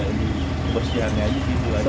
kebersihannya aja gitu